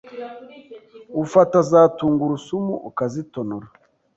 ufata za tungurusumu ukazitonora,